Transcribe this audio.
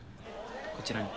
こちらに。